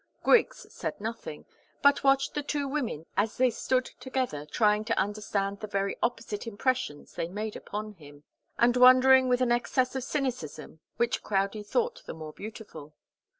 Griggs said nothing, but watched the two women as they stood together, trying to understand the very opposite impressions they made upon him, and wondering with an excess of cynicism which Crowdie thought the more beautiful.